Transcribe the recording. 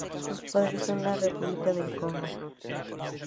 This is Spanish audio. Sus padres son de la República del Congo.